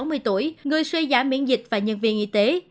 ông lutens sáu mươi tuổi người suy giả miễn dịch và nhân viên y tế